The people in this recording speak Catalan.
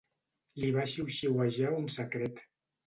Li va xiuxiuejar un secret.